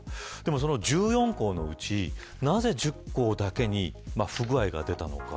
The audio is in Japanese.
その１４行のうちなぜ１０行だけに不具合が出たのか。